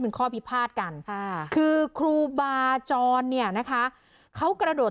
เป็นข้อพิพาทกันค่ะคือครูบาจรเนี่ยนะคะเขากระโดด